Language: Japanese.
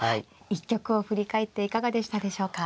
一局を振り返っていかがでしたでしょうか。